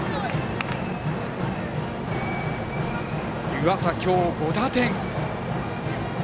湯浅、今日５打点。